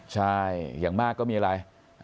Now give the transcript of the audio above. ใช่อย่างมากก็มีอะไร